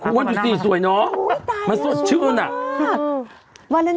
ครูอ้วนจะสีสวยเนอะมันสวยเหนือน่ะอุ๊ยตายเลย